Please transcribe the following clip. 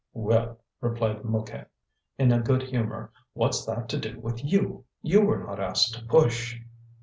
"Well," replied Mouquette, in a good humour, "what's that to do with you? You were not asked to push."